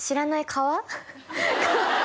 川？